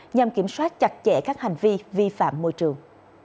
nhằm kiểm soát chặt chẽ các hành vi vi phạm môi trường